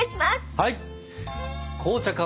はい！